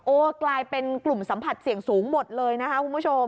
กลายเป็นกลุ่มสัมผัสเสี่ยงสูงหมดเลยนะคะคุณผู้ชม